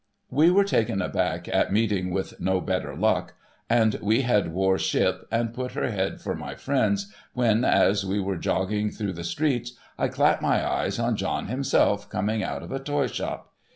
We were taken aback at meeting with no better luck, and we had wore ship and put her head for my friends, when as we were jogging through the streets, I clap my eyes on John himself coming out of a toyshop